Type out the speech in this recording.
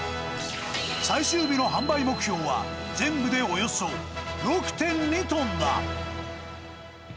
最終日の販売目標は、全部でおよそ６．２トンだ。